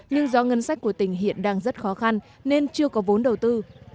nhưng do ngân sách của tỉnh hiện đang rất khó khăn nên chưa có vốn đầu tư